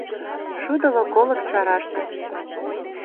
Шудылык олык чараште.